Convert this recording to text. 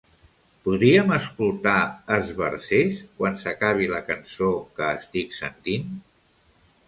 Podríem escoltar "Esbarzers" quan s'acabi la cançó que estic sentint?